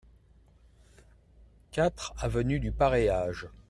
quatre avenue du Pareage